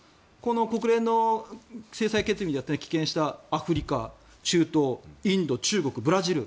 国連の制裁決議だって棄権したアフリカ中東、インド、中国、ブラジル